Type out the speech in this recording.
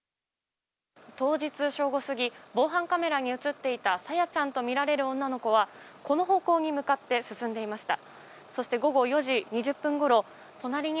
当日、正午過ぎ防犯カメラに映っていた朝芽ちゃんとみられる女の子はこの方向に向かって進んでいました。